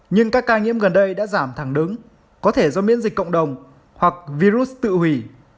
nhưng các ca nhiễm gần đây đã giảm thẳng đứng có thể do miễn dịch cộng đồng hoặc virus tự hủy